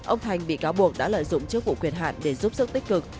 ông thành bị cáo buộc đã lợi dụng chức vụ quyền hạn để giúp sức tích cực